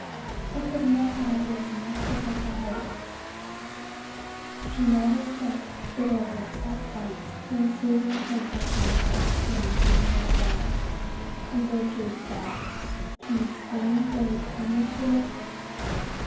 "I could never have risen to such a height. "She never spoke bitterly except once, when Susan said something about spring being here at last, and Gertrude said, "'Can the spring really come this year?'